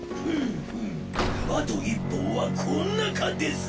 あと１本はこんなかですばい！